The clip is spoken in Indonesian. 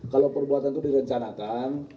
kalau perbuatan itu direncanakan